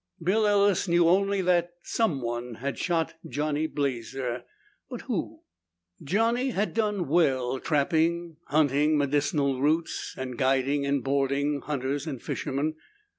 Bill Ellis knew only that someone had shot Johnny Blazer. But who? Johnny had done well trapping, hunting medicinal roots, and guiding and boarding hunters and fishermen.